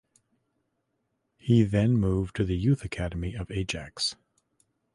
He then moved to the youth academy of Ajax.